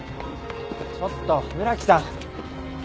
ちょっと村木さん！